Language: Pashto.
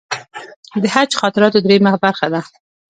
د حج خاطراتو درېیمه برخه ده.